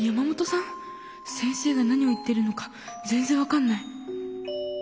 先生が何を言ってるのかぜんぜん分かんない。